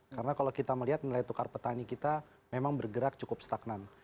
karena kalau kita melihat nilai tukar petani kita memang bergerak cukup stagnan